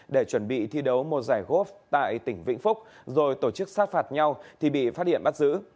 để chuẩn bị thi đấu một giải góp tại tỉnh vĩnh phúc rồi tổ chức sát phạt nhau thì bị phát hiện bắt giữ